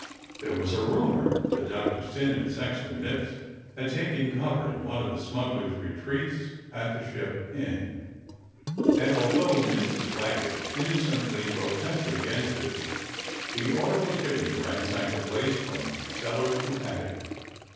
There was a rumour that Doctor Syn and Sexton Mipps had taken cover in one of the smugglers' retreats at the Ship Inn, and although Mrs. Waggetts innocently protested against it, the order was given to ransack the place from cellar to attic.